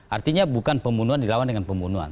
artinya bukan pembunuhan dilawan dengan pembunuhan